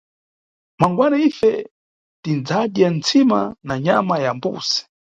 Mangwana ife tindzadya ntsima na nyama ya mbuzi.